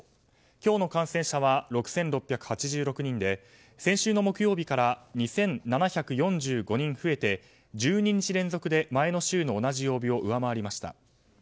今日の感染者は６６８６人で先週の木曜日から２７４５人増えて１２日連続で前の週の同じ曜日を上回りました。